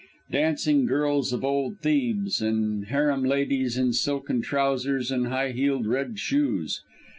Dancing girls of old Thebes, and harem ladies in silken trousers and high heeled red shoes.